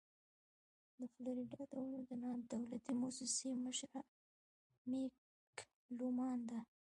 د فلوريډا د ونو د نادولتي مؤسسې مشره مېګ لومان ده.